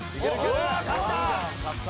勝った！